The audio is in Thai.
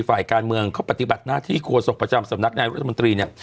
ฝ่ายการเมืองเขาปฏิบัติหน้าที่โฆษกประจำสำนักนายรัฐมนตรีเนี่ย